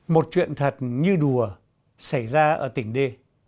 một chuyện thật như đùa xảy ra ở tỉnh đê